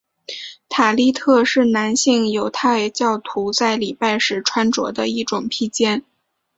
塔利特是男性犹太教徒在礼拜时穿着的一种披肩。